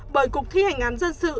bởi cục thi hành án dân sự